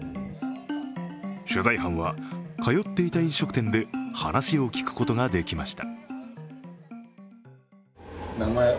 取材班は、通っていた飲食店で話を聞くことができました。